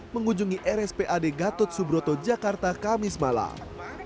mengunjungi rspad gatot subroto jakarta kamis malam